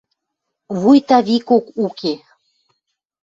Вуйта викок уке.